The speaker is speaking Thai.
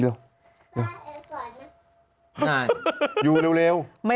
เอ้าไป